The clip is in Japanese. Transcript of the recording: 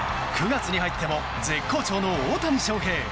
９月に入っても絶好調の大谷翔平。